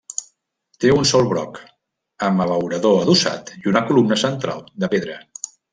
Té un sol broc, amb abeurador adossat i una columna central de pedra.